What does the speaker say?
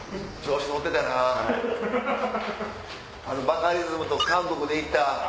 バカリズムと韓国で行った。